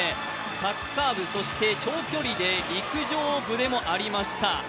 サッカー部、長距離で陸上部でもありました。